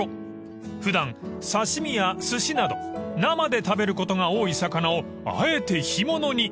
［普段刺し身やすしなど生で食べることが多い魚をあえて干物に］